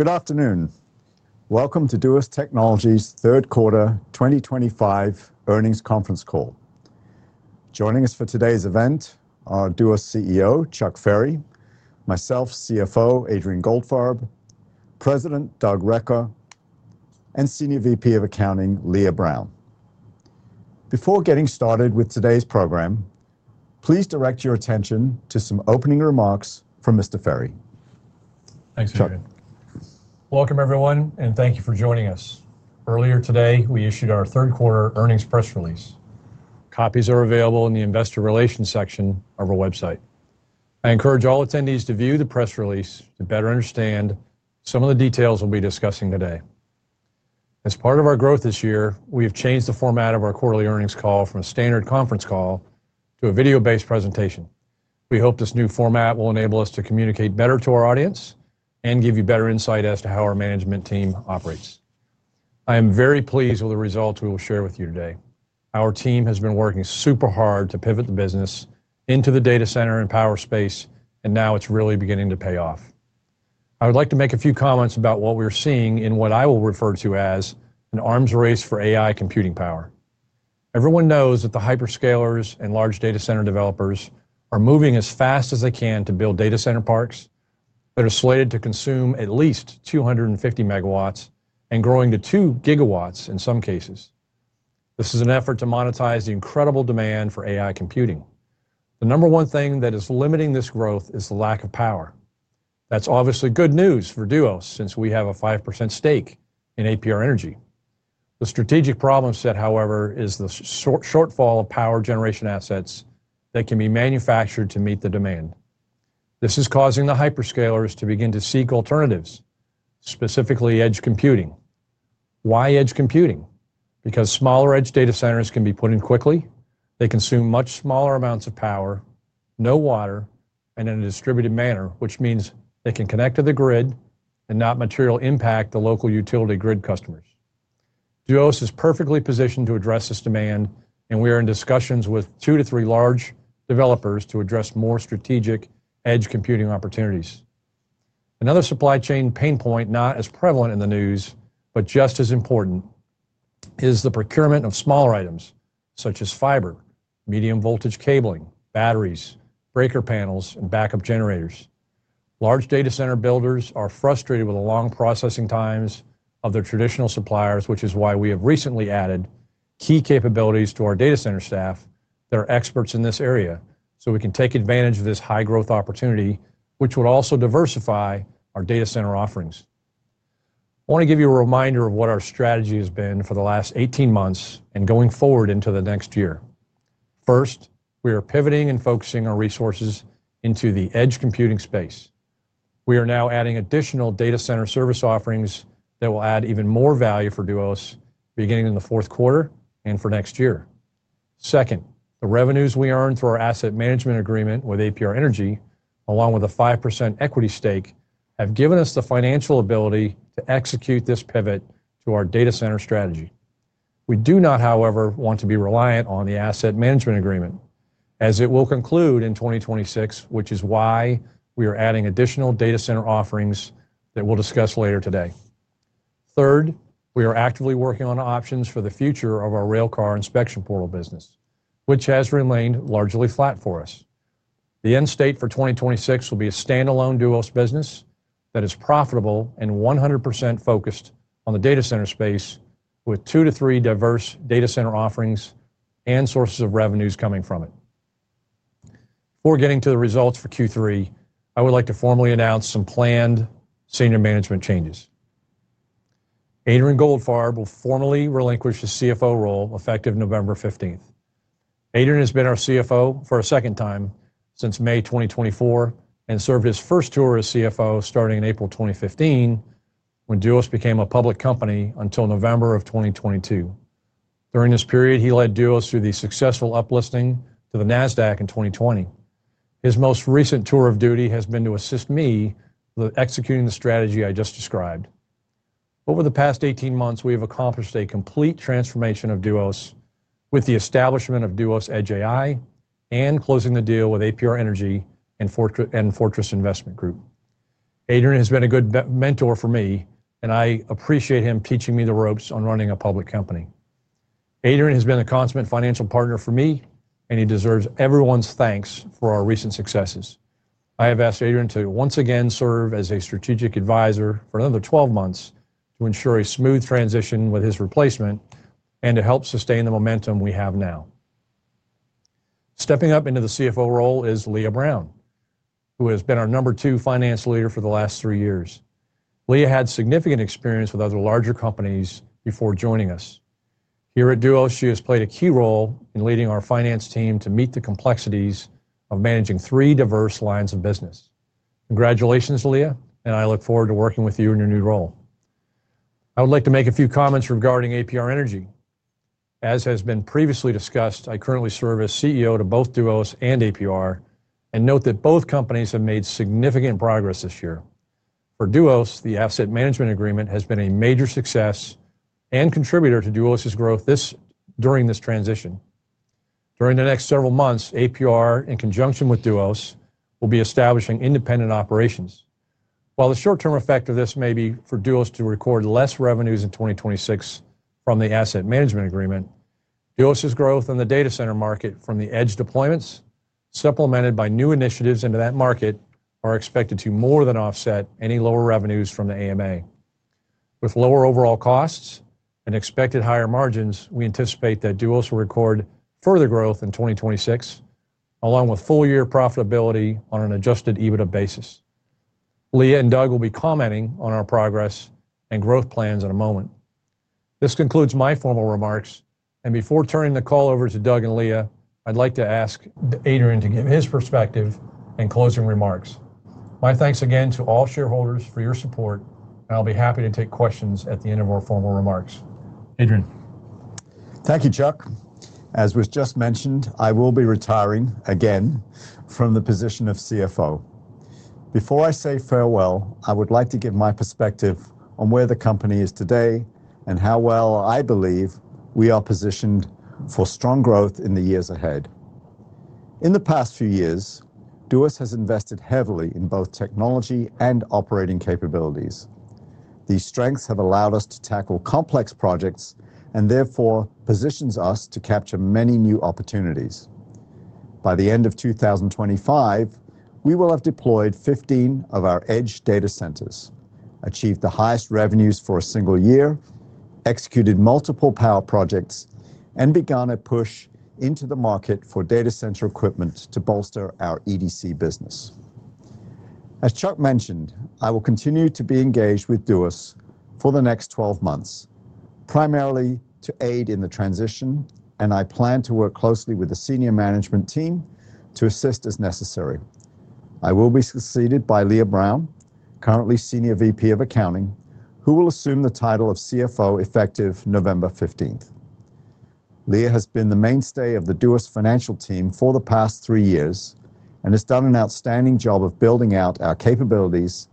Good afternoon. Welcome to Duos Technologies' third quarter 2025 earnings conference call. Joining us for today's event are Duos CEO Chuck Ferry, myself, CFO Adrian Goldfarb, President Doug Recker, and Senior VP of Accounting Leah Brown. Before getting started with today's program, please direct your attention to some opening remarks from Mr. Ferry. Thanks, Adrian. Welcome, everyone, and thank you for joining us. Earlier today, we issued our third quarter earnings press release. Copies are available in the Investor Relations section of our website. I encourage all attendees to view the press release to better understand some of the details we'll be discussing today. As part of our growth this year, we have changed the format of our quarterly earnings call from a standard conference call to a video-based presentation. We hope this new format will enable us to communicate better to our audience and give you better insight as to how our management team operates. I am very pleased with the results we will share with you today. Our team has been working super hard to pivot the business into the data center and power space, and now it's really beginning to pay off. I would like to make a few comments about what we're seeing in what I will refer to as an arms race for AI computing power. Everyone knows that the hyperscalers and large data center developers are moving as fast as they can to build data center parks that are slated to consume at least 250 MW and growing to 2 GW in some cases. This is an effort to monetize the incredible demand for AI computing. The number one thing that is limiting this growth is the lack of power. That's obviously good news for Duos since we have a 5% stake in APR Energy. The strategic problem set, however, is the shortfall of power generation assets that can be manufactured to meet the demand. This is causing the hyperscalers to begin to seek alternatives, specifically Edge Computing. Why Edge Computing? Because smaller Edge Data Centers can be put in quickly. They consume much smaller amounts of power, no water, and in a distributed manner, which means they can connect to the grid and not materially impact the local utility grid customers. Duos is perfectly positioned to address this demand, and we are in discussions with 2-3 large developers to address more strategic Edge Computing opportunities. Another supply chain pain point, not as prevalent in the news, but just as important, is the procurement of smaller items such as fiber, medium voltage cabling, batteries, breaker panels, and backup generators. Large data center builders are frustrated with the long processing times of their traditional suppliers, which is why we have recently added key capabilities to our data center staff that are experts in this area so we can take advantage of this high growth opportunity, which would also diversify our data center offerings. I want to give you a reminder of what our strategy has been for the last 18 months and going forward into the next year. First, we are pivoting and focusing our resources into the Edge Computing space. We are now adding additional data center service offerings that will add even more value for Duos beginning in the fourth quarter and for next year. Second, the revenues we earned through our Asset Management Agreement with APR Energy, along with a 5% equity stake, have given us the financial ability to execute this pivot to our data center strategy. We do not, however, want to be reliant on the Asset Management Agreement, as it will conclude in 2026, which is why we are adding additional data center offerings that we'll discuss later today. Third, we are actively working on options for the future of our Railcar inspection portal business, which has remained largely flat for us. The end state for 2026 will be a standalone Duos business that is profitable and 100% focused on the data center space, with 2-3 diverse data center offerings and sources of revenues coming from it. Before getting to the results for Q3, I would like to formally announce some planned senior management changes. Adrian Goldfarb will formally relinquish his CFO role effective November 15th. Adrian has been our CFO for a second time since May 2024 and served his first tour as CFO starting in April 2015, when Duos became a public company until November of 2022. During this period, he led Duos through the successful uplisting to the NASDAQ in 2020. His most recent tour of duty has been to assist me with executing the strategy I just described. Over the past 18 months, we have accomplished a complete transformation of Duos with the establishment of Duos Edge AI and closing the deal with APR Energy and Fortress Investment Group. Adrian has been a good mentor for me, and I appreciate him teaching me the ropes on running a public company. Adrian has been a consummate financial partner for me, and he deserves everyone's thanks for our recent successes. I have asked Adrian to once again serve as a strategic advisor for another 12 months to ensure a smooth transition with his replacement and to help sustain the momentum we have now. Stepping up into the CFO role is Leah Brown, who has been our number two finance leader for the last three years. Leah had significant experience with other larger companies before joining us. Here at Duos, she has played a key role in leading our finance team to meet the complexities of managing three diverse lines of business. Congratulations, Leah, and I look forward to working with you in your new role. I would like to make a few comments regarding APR Energy. As has been previously discussed, I currently serve as CEO to both Duos and APR, and note that both companies have made significant progress this year. For Duos, the Asset Management Agreement has been a major success and contributor to Duos' growth during this transition. During the next several months, APR, in conjunction with Duos, will be establishing independent operations. While the short-term effect of this may be for Duos to record less revenues in 2026 from the Asset Management Agreement, Duos' growth in the data center market from the edge deployments, supplemented by new initiatives into that market, are expected to more than offset any lower revenues from the AMA. With lower overall costs and expected higher margins, we anticipate that Duos will record further growth in 2026, along with full-year profitability on an adjusted EBITDA basis. Leah and Doug will be commenting on our progress and growth plans in a moment. This concludes my formal remarks, and before turning the call over to Doug and Leah, I'd like to ask Adrian to give his perspective and closing remarks. My thanks again to all shareholders for your support, and I'll be happy to take questions at the end of our formal remarks. Adrian? Thank you, Chuck. As was just mentioned, I will be retiring again from the position of CFO. Before I say farewell, I would like to give my perspective on where the company is today and how well I believe we are positioned for strong growth in the years ahead. In the past few years, Duos has invested heavily in both technology and operating capabilities. These strengths have allowed us to tackle complex projects and therefore position us to capture many new opportunities. By the end of 2025, we will have deployed 15 of our Edge Data Centers, achieved the highest revenues for a single year, executed multiple power projects, and begun a push into the market for data center equipment to bolster our EDC business. As Chuck mentioned, I will continue to be engaged with Duos for the next 12 months, primarily to aid in the transition, and I plan to work closely with the senior management team to assist as necessary. I will be succeeded by Leah Brown, currently Senior VP of Accounting, who will assume the title of CFO effective November 15th. Leah has been the mainstay of the Duos financial team for the past three years and has done an outstanding job of building out our capabilities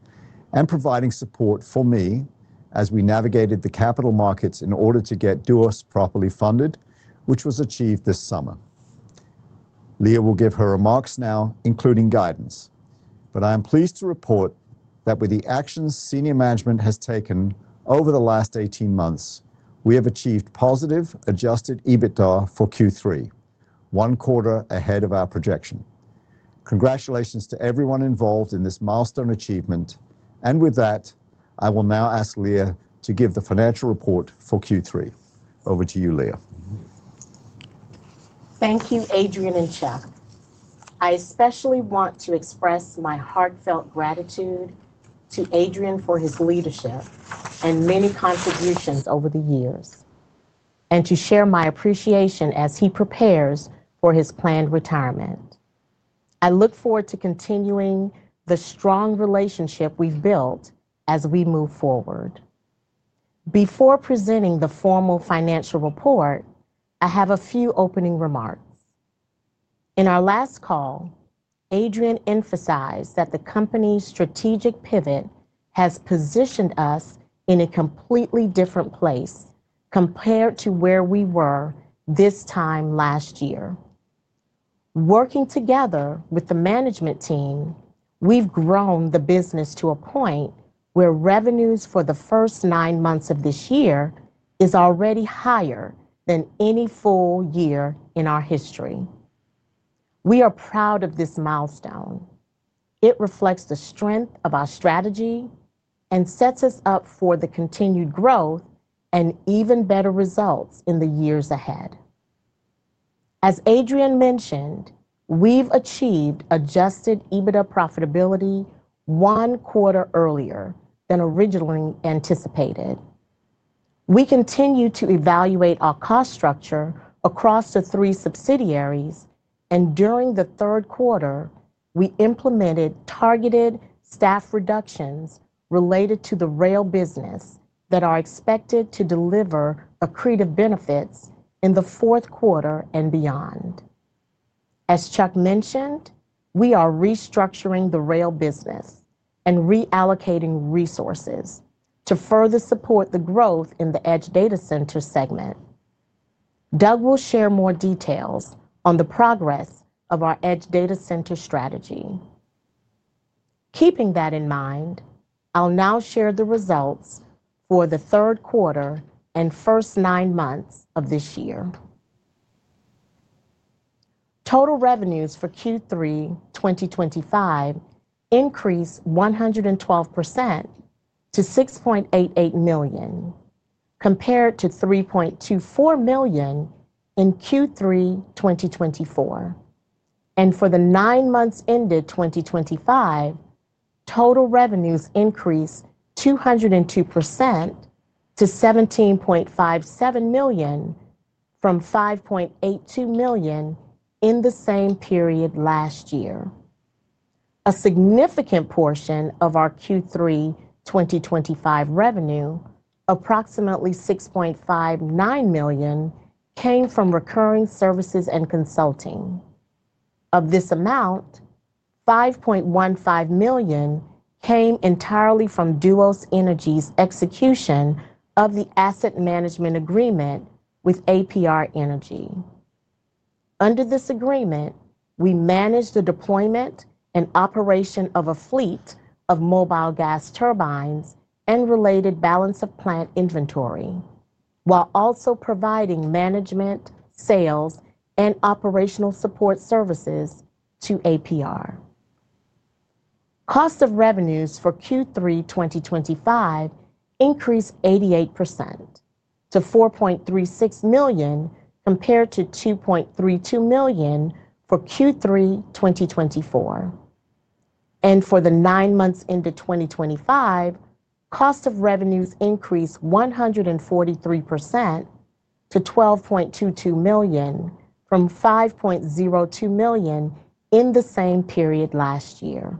and providing support for me as we navigated the capital markets in order to get Duos properly funded, which was achieved this summer. Leah will give her remarks now, including guidance, but I am pleased to report that with the actions senior management has taken over the last 18 months, we have achieved positive adjusted EBITDA for Q3, one quarter ahead of our projection. Congratulations to everyone involved in this milestone achievement, and with that, I will now ask Leah to give the financial report for Q3. Over to you, Leah. Thank you, Adrian and Chuck. I especially want to express my heartfelt gratitude to Adrian for his leadership and many contributions over the years, and to share my appreciation as he prepares for his planned retirement. I look forward to continuing the strong relationship we have built as we move forward. Before presenting the formal financial report, I have a few opening remarks. In our last call, Adrian emphasized that the company's strategic pivot has positioned us in a completely different place compared to where we were this time last year. Working together with the management team, we have grown the business to a point where revenues for the first nine months of this year are already higher than any full year in our history. We are proud of this milestone. It reflects the strength of our strategy and sets us up for the continued growth and even better results in the years ahead. As Adrian mentioned, we've achieved adjusted EBITDA profitability one quarter earlier than originally anticipated. We continue to evaluate our cost structure across the three subsidiaries, and during the third quarter, we implemented targeted staff reductions related to the rail business that are expected to deliver accretive benefits in the fourth quarter and beyond. As Chuck mentioned, we are restructuring the rail business and reallocating resources to further support the growth in the Edge Data Center segment. Doug will share more details on the progress of our Edge Data Center strategy. Keeping that in mind, I'll now share the results for the third quarter and first nine months of this year. Total revenues for Q3 2025 increased 112% to $6.88 million, compared to $3.24 million in Q3 2024. For the nine months ended 2025, total revenues increased 202% to $17.57 million from $5.82 million in the same period last year. A significant portion of our Q3 2025 revenue, approximately $6.59 million, came from recurring services and consulting. Of this amount, $5.15 million came entirely from Duos Energy's execution of the Asset Management Agreement with APR Energy. Under this agreement, we managed the deployment and operation of a fleet of mobile gas turbines and related balance of plant inventory, while also providing management, sales, and operational support services to APR. Cost of revenues for Q3 2025 increased 88% to $4.36 million compared to $2.32 million for Q3 2024. For the nine months ended 2025, cost of revenues increased 143% to $12.22 million from $5.02 million in the same period last year.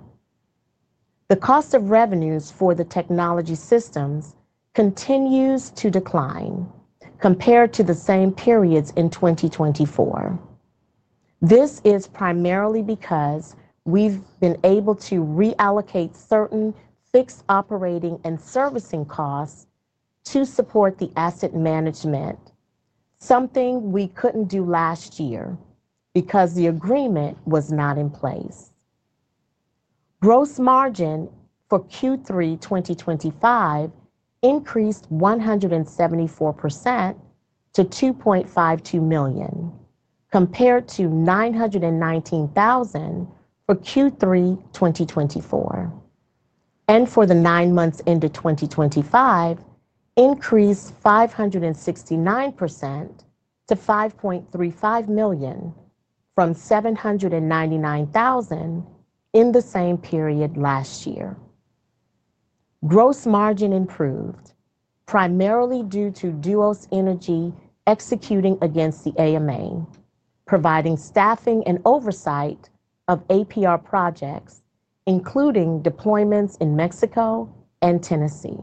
The cost of revenues for the technology systems continues to decline compared to the same periods in 2024. This is primarily because we've been able to reallocate certain fixed operating and servicing costs to support the asset management, something we couldn't do last year because the agreement was not in place. Gross margin for Q3 2025 increased 174% to $2.52 million, compared to $919,000 for Q3 2024. For the nine months ended 2025, increased 569% to $5.35 million from $799,000 in the same period last year. Gross margin improved, primarily due to Duos Energy executing against the AMA, providing staffing and oversight of APR projects, including deployments in Mexico and Tennessee.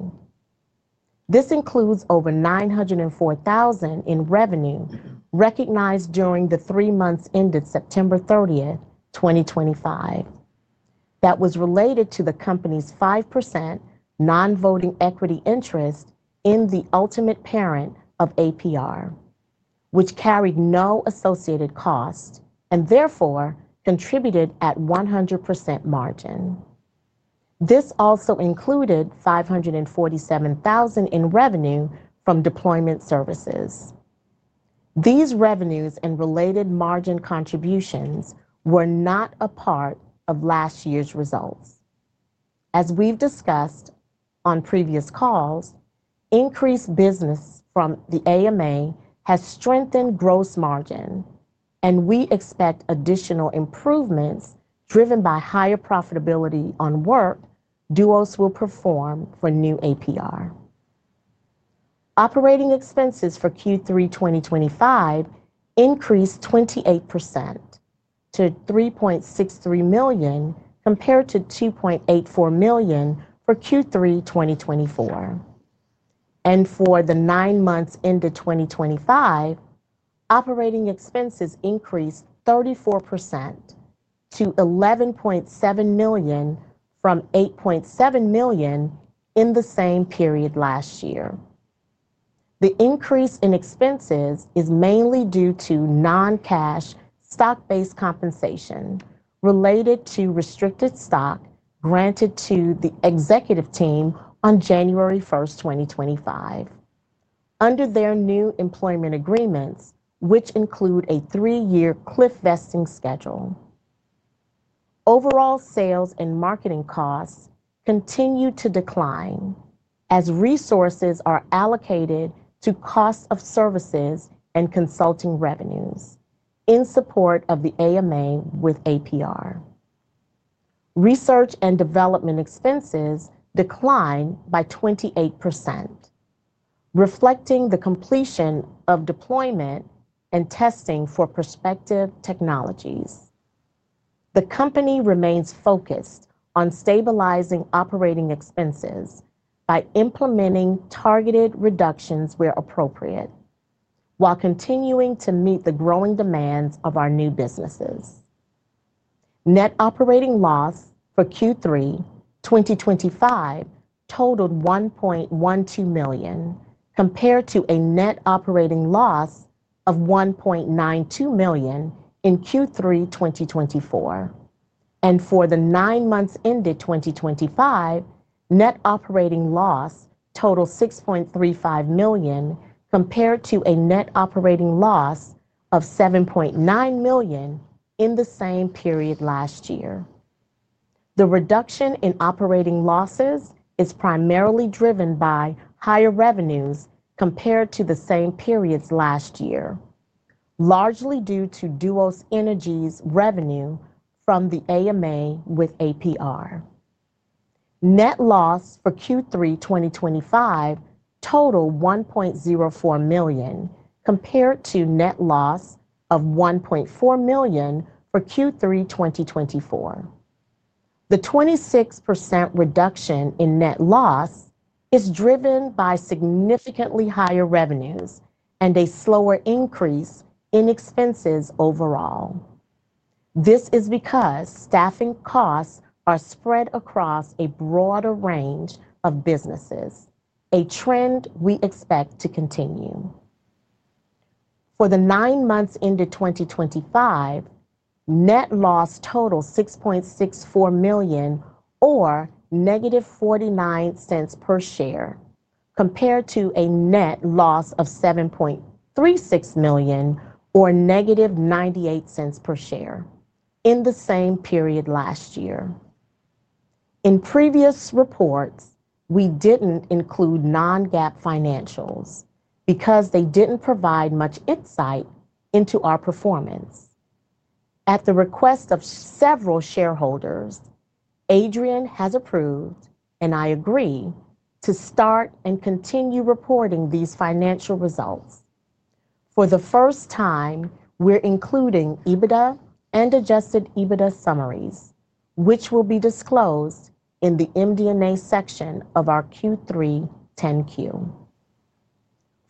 This includes over $904,000 in revenue recognized during the three months ended September 30th, 2025. That was related to the company's 5% non-voting equity interest in the ultimate parent of APR, which carried no associated cost and therefore contributed at 100% margin. This also included $547,000 in revenue from deployment services. These revenues and related margin contributions were not a part of last year's results. As we've discussed on previous calls, increased business from the AMA has strengthened gross margin, and we expect additional improvements driven by higher profitability on work Duos will perform for new APR. Operating expenses for Q3 2025 increased 28% to $3.63 million compared to $2.84 million for Q3 2024. For the nine months ended 2025, operating expenses increased 34% to $11.7 million from $8.7 million in the same period last year. The increase in expenses is mainly due to non-cash stock-based compensation related to restricted stock granted to the executive team on January 1st, 2025, under their new employment agreements, which include a three-year Cliff Vesting schedule. Overall sales and marketing costs continue to decline as resources are allocated to cost of services and consulting revenues in support of the AMA with APR. Research and development expenses declined by 28%, reflecting the completion of deployment and testing for prospective technologies. The company remains focused on stabilizing operating expenses by implementing targeted reductions where appropriate, while continuing to meet the growing demands of our new businesses. Net operating loss for Q3 2025 totaled $1.12 million compared to a net operating loss of $1.92 million in Q3 2024. For the nine months ended 2025, net operating loss totaled $6.35 million compared to a net operating loss of $7.9 million in the same period last year. The reduction in operating losses is primarily driven by higher revenues compared to the same periods last year, largely due to Duos Energy's revenue from the AMA with APR. Net loss for Q3 2025 totaled $1.04 million compared to net loss of $1.4 million for Q3 2024. The 26% reduction in net loss is driven by significantly higher revenues and a slower increase in expenses overall. This is because staffing costs are spread across a broader range of businesses, a trend we expect to continue. For the nine months ended 2025, net loss totaled $6.64 million or negative $0.49 per share compared to a net loss of $7.36 million or negative $0.98 per share in the same period last year. In previous reports, we didn't include non-GAAP financials because they didn't provide much insight into our performance. At the request of several shareholders, Adrian has approved, and I agree, to start and continue reporting these financial results. For the first time, we're including EBITDA and adjusted EBITDA summaries, which will be disclosed in the MD&A section of our Q3 10-Q.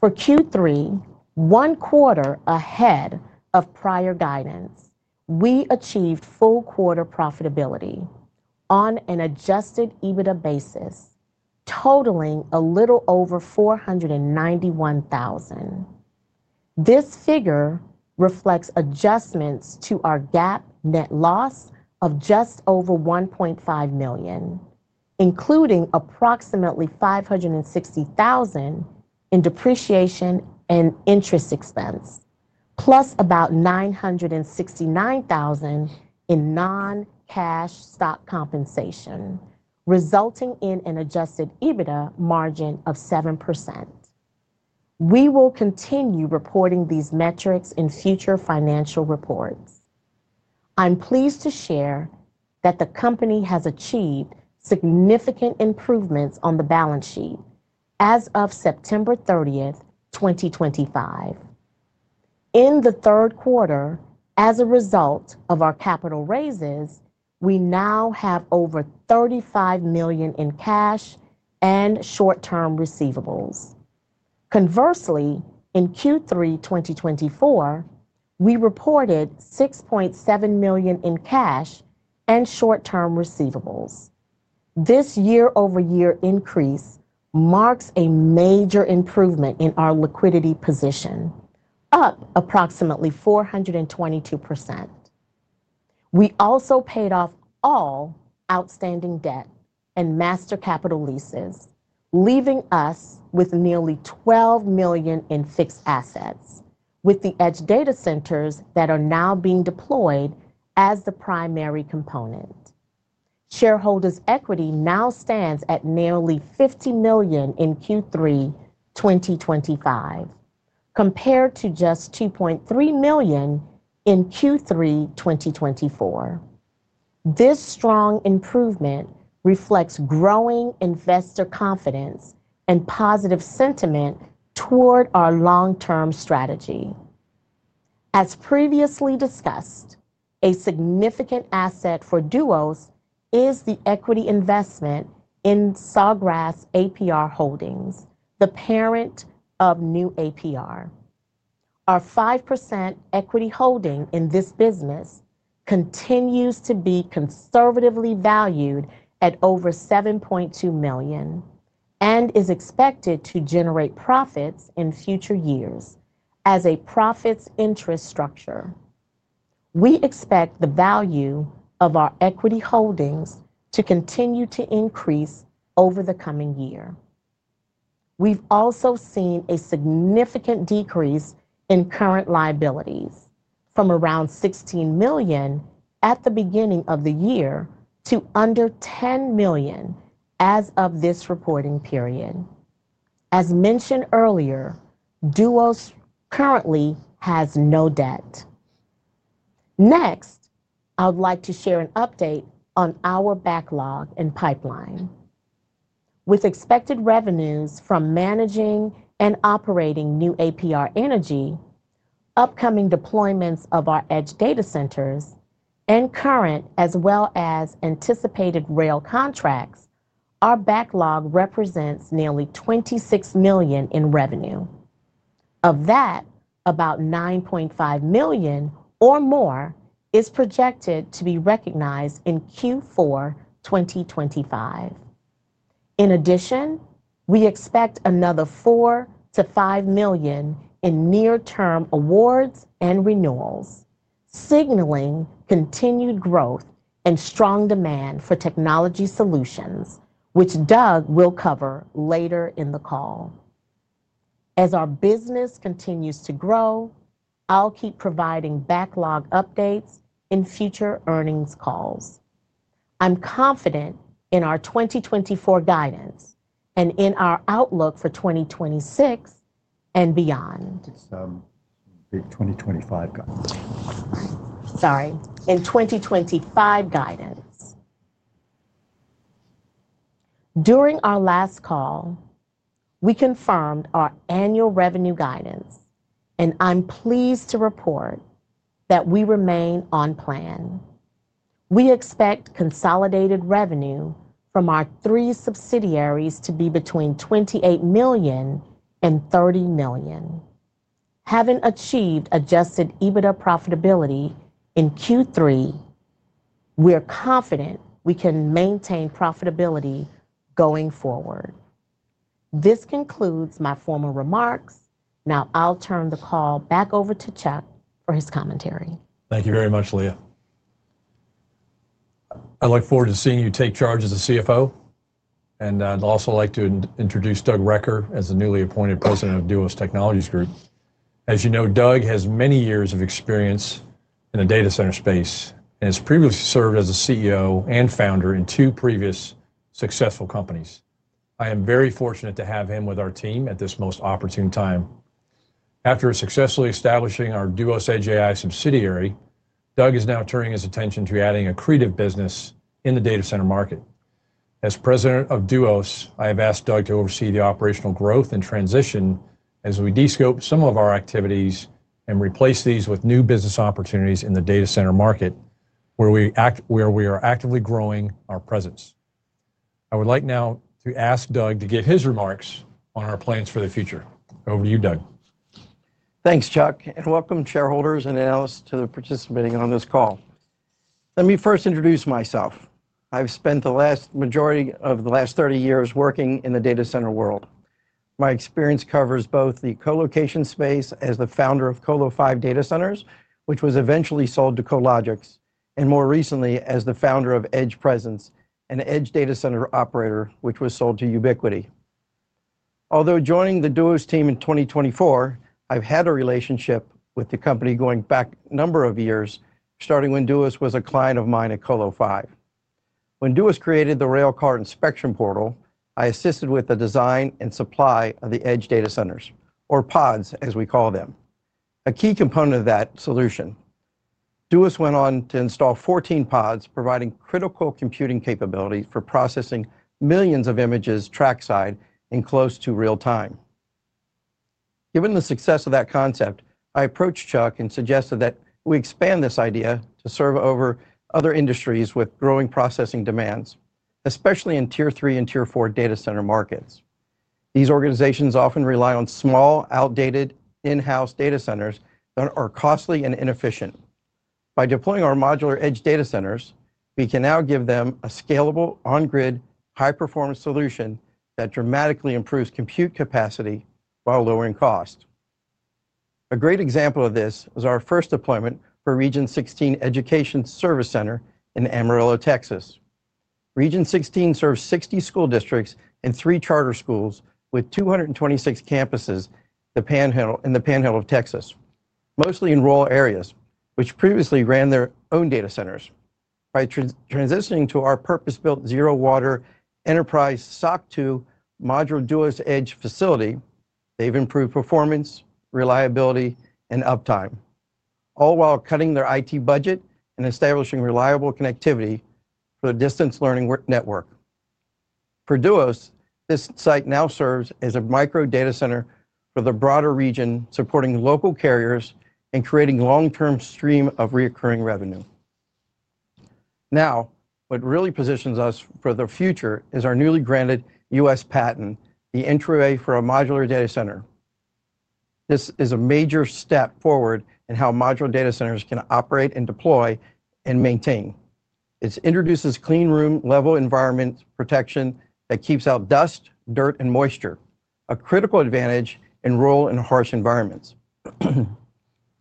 For Q3, one quarter ahead of prior guidance, we achieved full quarter profitability on an adjusted EBITDA basis, totaling a little over $491,000. This figure reflects adjustments to our GAAP net loss of just over $1.5 million, including approximately $560,000 in depreciation and interest expense, plus about $969,000 in non-cash stock compensation, resulting in an adjusted EBITDA margin of 7%. We will continue reporting these metrics in future financial reports. I'm pleased to share that the company has achieved significant improvements on the balance sheet as of September 30th, 2025. In the third quarter, as a result of our capital raises, we now have over $35 million in cash and short-term receivables. Conversely, in Q3 2024, we reported $6.7 million in cash and short-term receivables. This year-over-year increase marks a major improvement in our liquidity position, up approximately 422%. We also paid off all outstanding debt and master capital leases, leaving us with nearly $12 million in fixed assets, with the Edge Data Centers that are now being deployed as the primary component. Shareholders' equity now stands at nearly $50 million in Q3 2025, compared to just $2.3 million in Q3 2024. This strong improvement reflects growing investor confidence and positive sentiment toward our long-term strategy. As previously discussed, a significant asset for Duos is the equity investment in Sawgrass APR Holdings, the parent of new APR. Our 5% equity holding in this business continues to be conservatively valued at over $7.2 million and is expected to generate profits in future years as a profits-interest structure. We expect the value of our equity holdings to continue to increase over the coming year. We've also seen a significant decrease in current liabilities from around $16 million at the beginning of the year to under $10 million as of this reporting period. As mentioned earlier, Duos currently has no debt. Next, I would like to share an update on our backlog and pipeline. With expected revenues from managing and operating new APR Energy, upcoming deployments of our Edge Data Centers, and current as well as anticipated rail contracts, our backlog represents nearly $26 million in revenue. Of that, about $9.5 million or more is projected to be recognized in Q4 2025. In addition, we expect another $4 million-$5 million in near-term awards and renewals, signaling continued growth and strong demand for technology solutions, which Doug will cover later in the call. As our business continues to grow, I'll keep providing backlog updates in future earnings calls. I'm confident in our 2024 guidance and in our outlook for 2026 and beyond. It's the 2025 guidance. Sorry. In 2025 guidance. During our last call, we confirmed our annual revenue guidance, and I'm pleased to report that we remain on plan. We expect consolidated revenue from our three subsidiaries to be between $28 million and $30 million. Having achieved adjusted EBITDA profitability in Q3, we're confident we can maintain profitability going forward. This concludes my formal remarks. Now I'll turn the call back over to Chuck for his commentary. Thank you very much, Leah. I look forward to seeing you take charge as the CFO. I would also like to introduce Doug Recker as the newly appointed President of Duos Technologies Group. As you know, Doug has many years of experience in the data center space and has previously served as the CEO and founder in two previous successful companies. I am very fortunate to have him with our team at this most opportune time. After successfully establishing our Duos Edge AI subsidiary, Doug is now turning his attention to adding a creative business in the data center market. As President of Duos, I have asked Doug to oversee the operational growth and transition as we descope some of our activities and replace these with new business opportunities in the data center market where we are actively growing our presence. I would like now to ask Doug to give his remarks on our plans for the future. Over to you, Doug. Thanks, Chuck. And welcome, shareholders and analysts, to participating on this call. Let me first introduce myself. I've spent the majority of the last 30 years working in the data center world. My experience covers both the colocation space as the founder of Colo5 Data Centers, which was eventually sold to Cologix, and more recently as the founder of Edge Presence, an Edge Data Center operator which was sold to Ubiquity. Although joining the Duos team in 2024, I've had a relationship with the company going back a number of years, starting when Duos was a client of mine at Colo5. When Duos created the Railcar inspection portal, I assisted with the design and supply of the Edge Data Centers, or pods, as we call them, a key component of that solution. Duos went on to install 14 pods, providing critical computing capabilities for processing millions of images trackside in close to real time. Given the success of that concept, I approached Chuck and suggested that we expand this idea to serve other industries with growing processing demands, especially in Tier 3 and Tier 4 data center markets. These organizations often rely on small, outdated in-house data centers that are costly and inefficient. By deploying our modular Edge Data Centers, we can now give them a scalable, on-grid, high-performance solution that dramatically improves compute capacity while lowering cost. A great example of this was our first deployment for Region 16 Education Service Center in Amarillo, Texas. Region 16 serves 60 school districts and three charter schools with 226 campuses in the Panhandle of Texas, mostly in rural areas, which previously ran their own data centers. By transitioning to our purpose-built Zero water enterprise SOC 2 modular Duos Edge facility, they've improved performance, reliability, and uptime, all while cutting their IT budget and establishing reliable connectivity for the distance learning network. For Duos, this site now serves as a micro data center for the broader region, supporting local carriers and creating a long-term stream of recurring revenue. Now, what really positions us for the future is our newly granted U.S. patent, the Entryway for a Modular Data Center. This is a major step forward in how modular data centers can operate and deploy and maintain. It introduces clean room-level environment protection that keeps out dust, dirt, and moisture, a critical advantage in rural and harsh environments.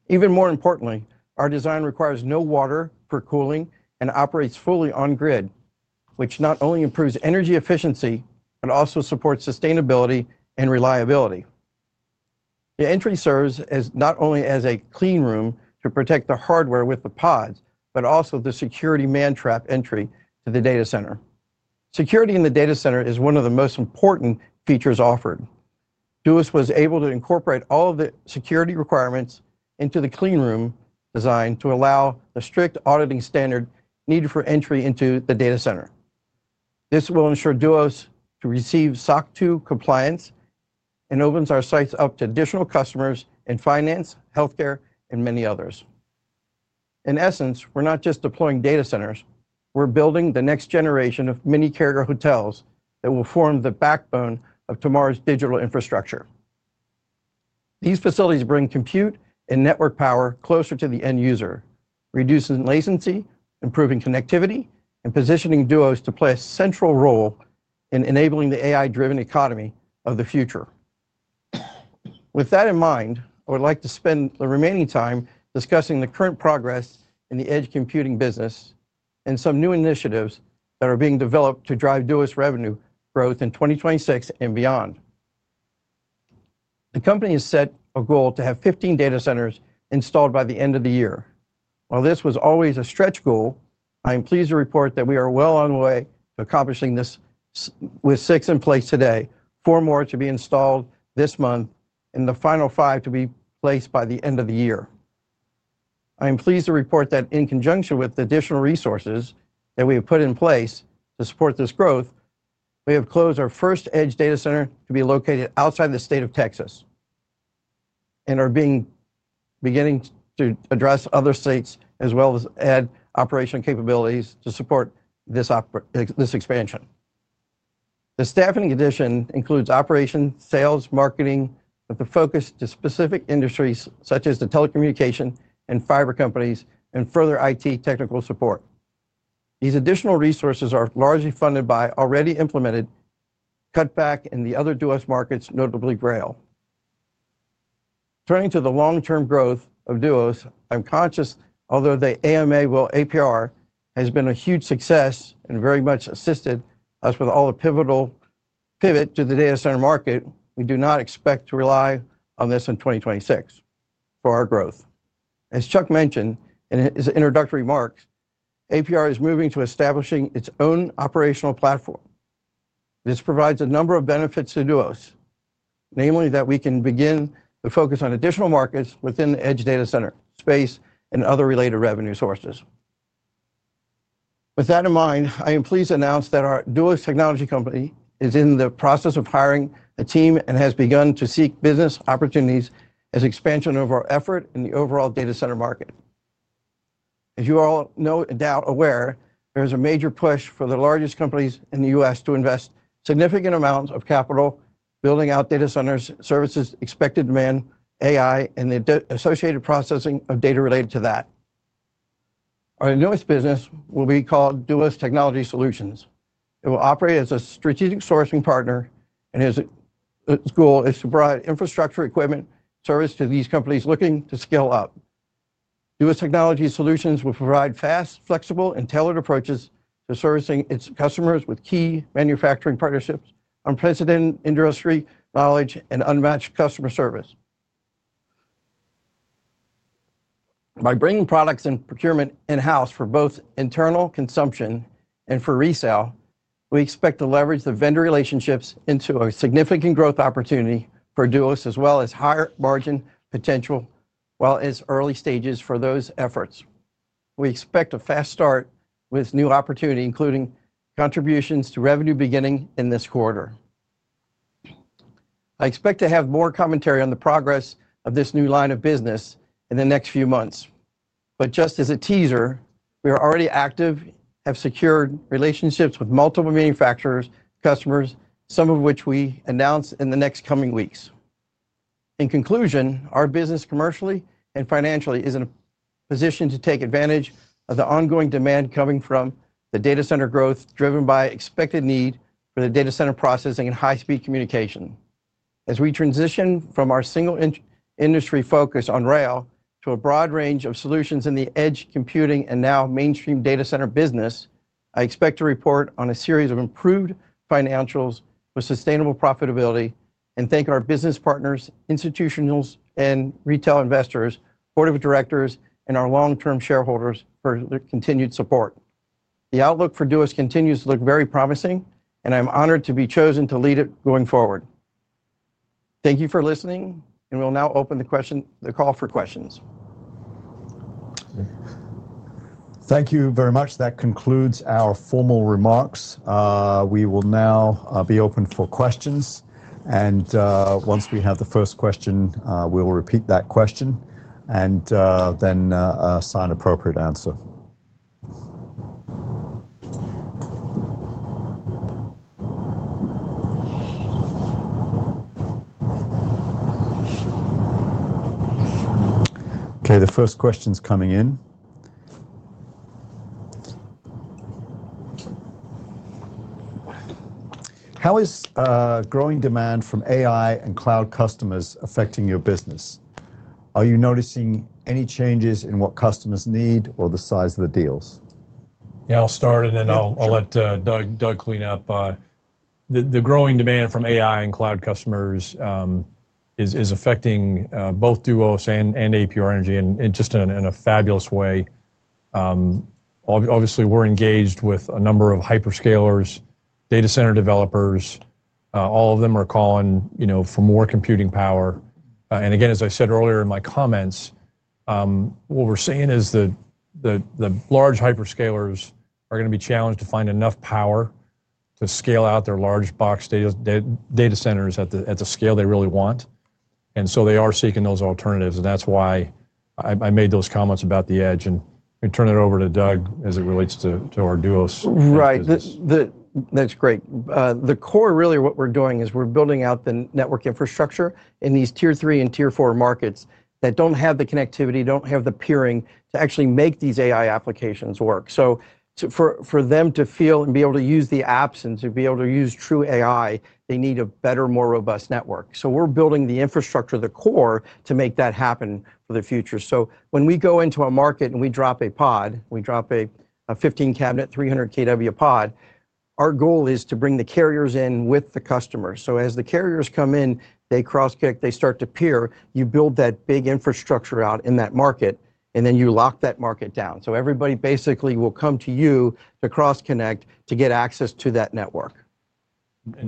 Even more importantly, our design requires no water for cooling and operates fully on-grid, which not only improves energy efficiency, but also supports sustainability and reliability. The entry serves not only as a clean room to protect the hardware with the pods, but also the security man-trap entry to the data center. Security in the data center is one of the most important features offered. Duos was able to incorporate all of the security requirements into the clean room design to allow the strict auditing standard needed for entry into the data center. This will ensure Duos to receive SOC 2 compliance and opens our sites up to additional customers in finance, healthcare, and many others. In essence, we're not just deploying data centers. We're building the next generation of mini carrier hotels that will form the backbone of tomorrow's digital infrastructure. These facilities bring compute and network power closer to the end user, reducing latency, improving connectivity, and positioning Duos to play a central role in enabling the AI-driven economy of the future. With that in mind, I would like to spend the remaining time discussing the current progress in the Edge Computing business and some new initiatives that are being developed to drive Duos revenue growth in 2026 and beyond. The company has set a goal to have 15 data centers installed by the end of the year. While this was always a stretch goal, I am pleased to report that we are well on the way to accomplishing this with six in place today, four more to be installed this month, and the final five to be placed by the end of the year. I am pleased to report that in conjunction with the additional resources that we have put in place to support this growth, we have closed our first Edge Data Center to be located outside the state of Texas and are beginning to address other states as well as add operational capabilities to support this expansion. The staffing addition includes operations, sales, marketing, with a focus to specific industries such as the telecommunication and fiber companies and further IT technical support. These additional resources are largely funded by already implemented cutback in the other Duos markets, notably Grail. Turning to the long-term growth of Duos, I'm conscious, although the AMA with APR has been a huge success and very much assisted us with all the pivotal pivot to the data center market, we do not expect to rely on this in 2026 for our growth. As Chuck mentioned in his introductory remarks, APR is moving to establishing its own operational platform. This provides a number of benefits to Duos, namely that we can begin to focus on additional markets within the Edge Data Center space and other related revenue sources. With that in mind, I am pleased to announce that our Duos Technologies Company is in the process of hiring a team and has begun to seek business opportunities as expansion of our effort in the overall data center market. As you all know and are aware, there is a major push for the largest companies in the U.S. to invest significant amounts of capital building out data centers, services, expected demand, AI, and the associated processing of data related to that. Our newest business will be called Duos Technology Solutions. It will operate as a strategic sourcing partner, and its goal is to provide infrastructure equipment service to these companies looking to scale up. Duos Technologies Group will provide fast, flexible, and tailored approaches to servicing its customers with key manufacturing partnerships, unprecedented industry knowledge, and unmatched customer service. By bringing products and procurement in-house for both internal consumption and for resale, we expect to leverage the vendor relationships into a significant growth opportunity for Duos as well as higher margin potential while it's early stages for those efforts. We expect a fast start with new opportunity, including contributions to revenue beginning in this quarter. I expect to have more commentary on the progress of this new line of business in the next few months. Just as a teaser, we are already active, have secured relationships with multiple manufacturers, customers, some of which we announce in the next coming weeks. In conclusion, our business commercially and financially is in a position to take advantage of the ongoing demand coming from the data center growth driven by expected need for the data center processing and high-speed communication. As we transition from our single industry focus on rail to a broad range of solutions in the Edge Computing and now mainstream data center business, I expect to report on a series of improved financials with sustainable profitability and thank our business partners, institutionals, and retail investors, board of directors, and our long-term shareholders for their continued support. The outlook for Duos continues to look very promising, and I'm honored to be chosen to lead it going forward. Thank you for listening, and we will now open the call for questions. Thank you very much. That concludes our formal remarks. We will now be open for questions. Once we have the first question, we will repeat that question and then assign appropriate answer. Okay, the first question is coming in. How is growing demand from AI and cloud customers affecting your business? Are you noticing any changes in what customers need or the size of the deals? Yeah, I will start, and then I will let Doug clean up. The growing demand from AI and cloud customers is affecting both Duos and APR Energy in just a fabulous way. Obviously, we are engaged with a number of hyperscalers, data center developers. All of them are calling for more computing power. Again, as I said earlier in my comments, what we're seeing is the large hyperscalers are going to be challenged to find enough power to scale out their large box data centers at the scale they really want. They are seeking those alternatives. That is why I made those comments about the edge. We turn it over to Doug as it relates to our Duos. Right. That's great. The core really of what we're doing is we're building out the network infrastructure in these Tier 3 and Tier 4 markets that don't have the connectivity, don't have the peering to actually make these AI applications work. For them to feel and be able to use the apps and to be able to use true AI, they need a better, more robust network. We're building the infrastructure, the core to make that happen for the future. When we go into a market and we drop a pod, we drop a 15-cabinet, 300 kW pod, our goal is to bring the carriers in with the customers. As the carriers come in, they cross-connect, they start to peer, you build that big infrastructure out in that market, and then you lock that market down. Everybody basically will come to you to cross-connect to get access to that network.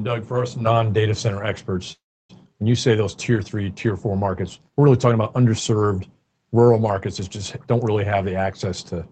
Doug, for us non-data center experts, when you say those Tier 3, Tier 4 markets, we're really talking about underserved rural markets that just do not really have the access to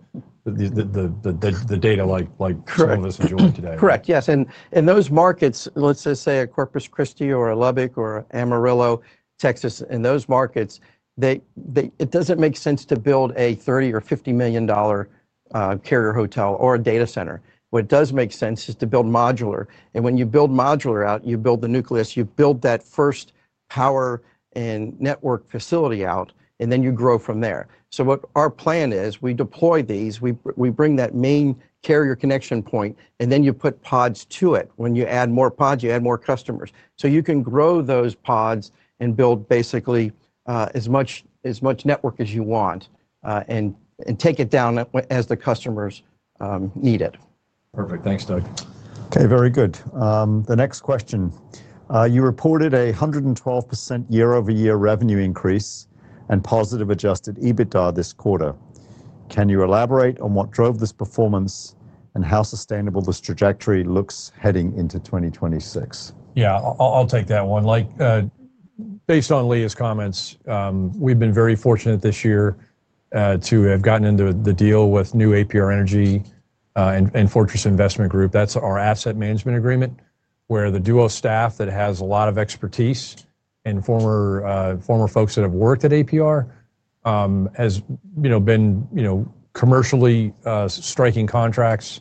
the data like some of us enjoy today. Correct. Yes. In those markets, let's just say a Corpus Christi or a Lubbock or Amarillo, Texas, in those markets, it doesn't make sense to build a $30 million or $50 million carrier hotel or a data center. What does make sense is to build modular. When you build modular out, you build the nucleus, you build that first power and network facility out, and then you grow from there. What our plan is, we deploy these, we bring that main carrier connection point, and then you put pods to it. When you add more pods, you add more customers. You can grow those pods and build basically as much network as you want and take it down as the customers need it. Perfect. Thanks, Doug. Okay, very good. The next question. You reported a 112% year-over-year revenue increase and positive adjusted EBITDA this quarter. Can you elaborate on what drove this performance and how sustainable this trajectory looks heading into 2026? Yeah, I'll take that one. Based on Leah's comments, we've been very fortunate this year to have gotten into the deal with new APR Energy and Fortress Investment Group. That's our Asset Management Agreement where the Duos staff that has a lot of expertise and former folks that have worked at APR has been commercially striking contracts,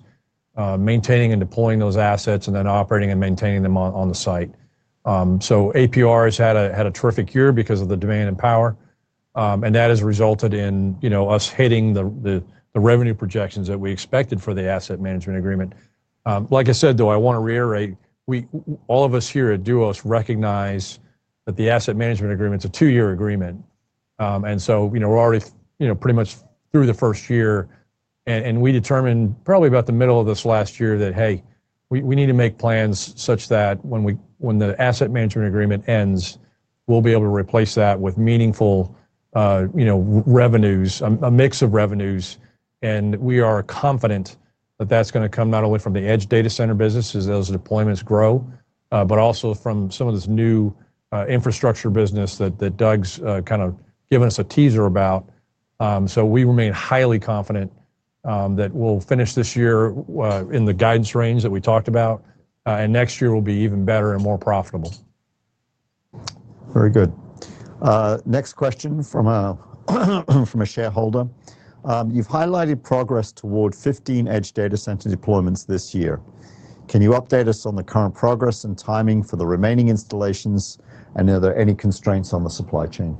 maintaining and deploying those assets, and then operating and maintaining them on the site. APR has had a terrific year because of the demand and power. That has resulted in us hitting the revenue projections that we expected for the Asset Management Agreement. Like I said, though, I want to reiterate, all of us here at Duos recognize that the Asset Management Agreement is a two-year agreement. We're already pretty much through the first year. We determined probably about the middle of this last year that, hey, we need to make plans such that when the Asset Management Agreement ends, we'll be able to replace that with meaningful revenues, a mix of revenues. We are confident that that's going to come not only from the Edge Data Center business as those deployments grow, but also from some of this new infrastructure business that Doug's kind of given us a teaser about. We remain highly confident that we'll finish this year in the guidance range that we talked about. Next year will be even better and more profitable. Very good. Next question from a shareholder. You've highlighted progress toward 15 Edge Data Center deployments this year. Can you update us on the current progress and timing for the remaining installations? Are there any constraints on the supply chain?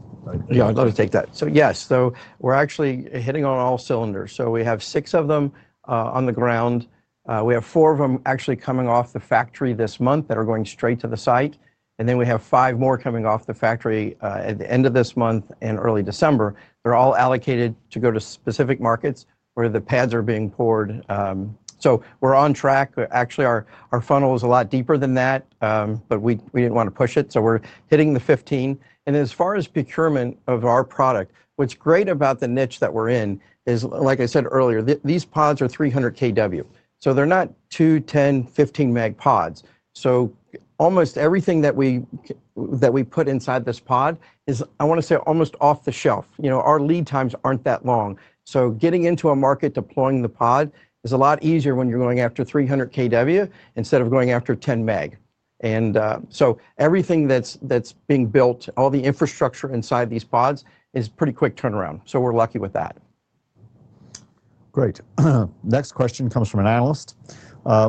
Yeah, I'll let you take that. Yes, we're actually hitting on all cylinders. We have six of them on the ground. We have four of them actually coming off the factory this month that are going straight to the site. We have five more coming off the factory at the end of this month and early December. They're all allocated to go to specific markets where the pads are being poured. We're on track. Actually, our funnel is a lot deeper than that, but we didn't want to push it. We're hitting the 15. As far as procurement of our product, what's great about the niche that we're in is, like I said earlier, these pods are 300 kW. They're not 2, 10, 15 MW pods. Almost everything that we put inside this pod is, I want to say, almost off the shelf. Our lead times are not that long. Getting into a market deploying the pod is a lot easier when you are going after 300 kW instead of going after 10 meg. Everything that is being built, all the infrastructure inside these pods, is pretty quick turnaround. We are lucky with that. Great. Next question comes from an analyst.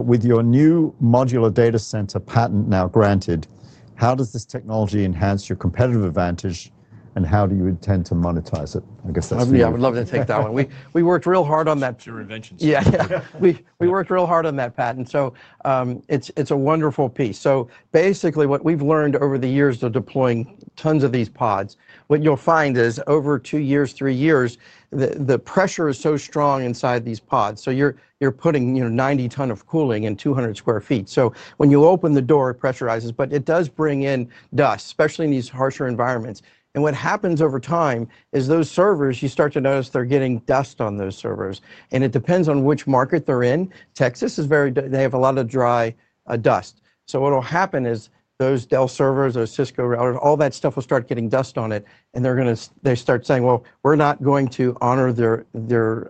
With your new modular data center patent now granted, how does this technology enhance your competitive advantage and how do you intend to monetize it? I guess that is the question. I would love to take that one. We worked real hard on that. It is your invention. Yeah. We worked real hard on that patent. It is a wonderful piece. Basically, what we've learned over the years of deploying tons of these pods, what you'll find is over two years, three years, the pressure is so strong inside these pods. You're putting 90 tons of cooling in 200 sq ft. When you open the door, it pressurizes, but it does bring in dust, especially in these harsher environments. What happens over time is those servers, you start to notice they're getting dust on those servers. It depends on which market they're in. Texas is very dry. They have a lot of dry dust. What will happen is those Dell servers, those Cisco routers, all that stuff will start getting dust on it. They're going to start saying, well, we're not going to honor their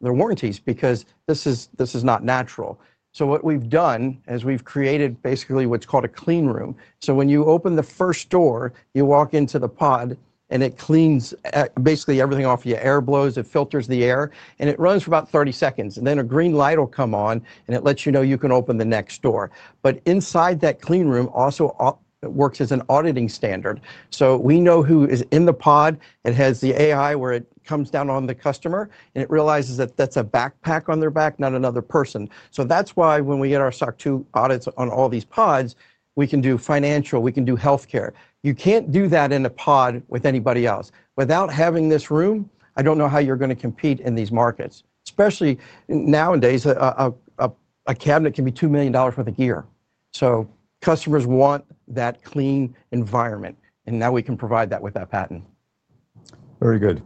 warranties because this is not natural. What we've done is we've created basically what's called a clean room. When you open the first door, you walk into the pod and it cleans basically everything off. Your air blows, it filters the air, and it runs for about 30 seconds. A green light will come on and it lets you know you can open the next door. Inside, that clean room also works as an auditing standard. We know who is in the pod. It has the AI where it comes down on the customer and it realizes that that's a backpack on their back, not another person. That is why when we get our SOC 2 audits on all these pods, we can do financial, we can do healthcare. You cannot do that in a pod with anybody else. Without having this room, I do not know how you are going to compete in these markets. Especially nowadays, a cabinet can be $2 million worth of gear. Customers want that clean environment. Now we can provide that with that patent. Very good.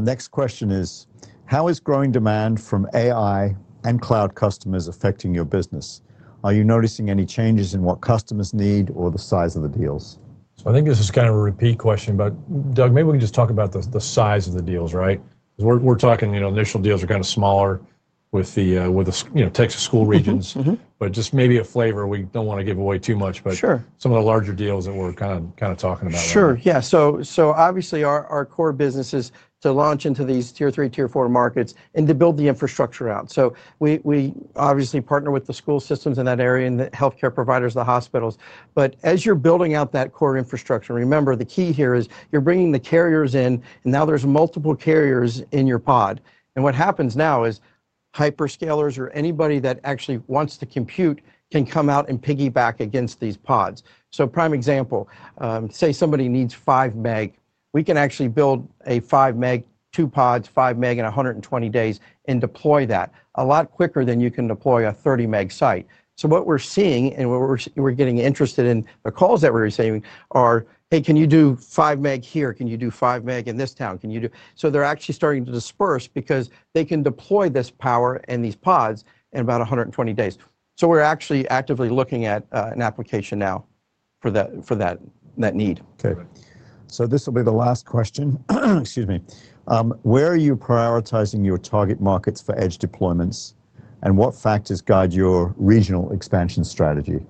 Next question is, how is growing demand from AI and cloud customers affecting your business? Are you noticing any changes in what customers need or the size of the deals? I think this is kind of a repeat question, but Doug, maybe we can just talk about the size of the deals, right? We are talking initial deals are kind of smaller with the Texas school regions. Maybe just a flavor, we do not want to give away too much, but some of the larger deals that we are kind of talking about. Sure. Yeah. Obviously our core business is to launch into these Tier 3, Tier 4 markets and to build the infrastructure out. We obviously partner with the school systems in that area and the healthcare providers, the hospitals. As you're building out that core infrastructure, remember the key here is you're bringing the carriers in and now there's multiple carriers in your pod. What happens now is hyperscalers or anybody that actually wants to compute can come out and piggyback against these pods. A prime example, say somebody needs 5 MW, we can actually build a 5 MW, two pods, 5 MW in 120 days and deploy that a lot quicker than you can deploy a 30 MW site. What we're seeing and we're getting interested in the calls that we're receiving are, hey, can you do 5 MW here? Can you do 5 MW in this town? Can you do? They're actually starting to disperse because they can deploy this power and these pods in about 120 days. We're actually actively looking at an application now for that need. Okay. This will be the last question. Excuse me. Where are you prioritizing your target markets for edge deployments and what factors guide your regional expansion strategy?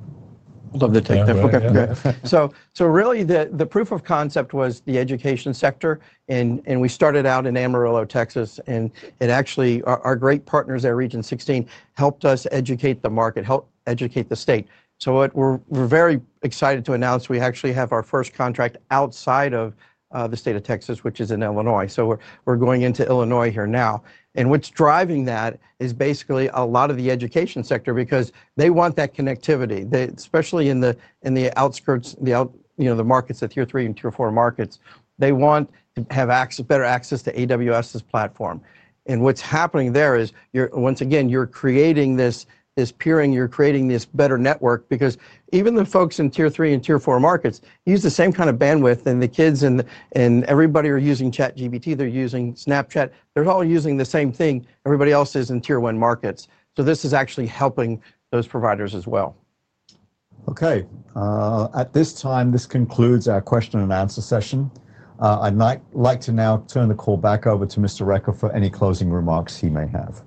I'd love to take that. Okay. Really the proof of concept was the education sector. We started out in Amarillo, Texas. Our great partners at Region 16 helped us educate the market, helped educate the state. We're very excited to announce we actually have our first contract outside of the state of Texas, which is in Illinois. We're going into Illinois here now. What's driving that is basically a lot of the education sector because they want that connectivity, especially in the outskirts, the markets at Tier 3 and Tier 4 markets. They want to have better access to AWS's platform. What's happening there is, once again, you're creating this peering, you're creating this better network because even the folks in Tier 3 and Tier 4 markets use the same kind of bandwidth and the kids and everybody are using ChatGPT, they're using Snapchat. They're all using the same thing everybody else is in Tier 1 markets. This is actually helping those providers as well. At this time, this concludes our question-and-answer session. I'd like to now turn the call back over to Mr. Recker for any closing remarks he may have.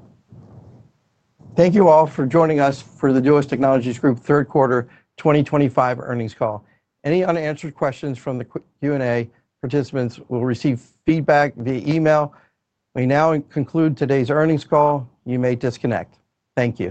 Thank you all for joining us for the Duos Technologies Group Third Quarter 2025 earnings call. Any unanswered questions from the Q&A participants will receive feedback via email. We now conclude today's earnings call. You may disconnect. Thank you.